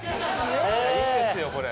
いいですよこれ。